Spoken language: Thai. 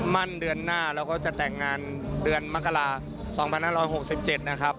มั่นเดือนหน้าแล้วก็จะแต่งงานเดือนมกรา๒๕๖๗นะครับ